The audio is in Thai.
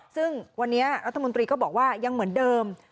ซึ่งวันนี้รัฐมนตรีก็บอกว่ายังเหมือนเดิม